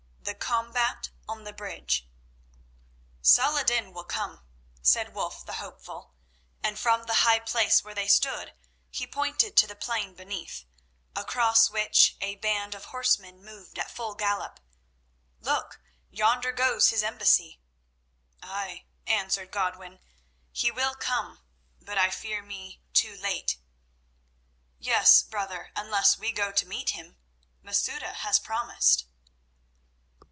The Combat on the Bridge "Saladin will come," said Wulf the hopeful, and from the high place where they stood he pointed to the plain beneath, across which a band of horsemen moved at full gallop. "Look; yonder goes his embassy." "Ay," answered Godwin, "he will come, but, I fear me, too late." "Yes, brother, unless we go to meet him. Masouda has promised."